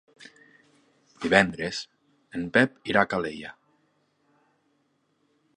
Divendres en Pep irà a Calella.